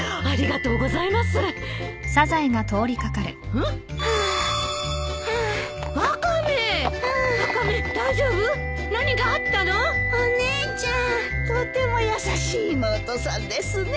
とっても優しい妹さんですね。